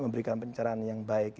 memberikan pencarian yang baik